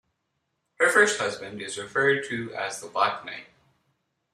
Her first husband is referred to as the Black Knight.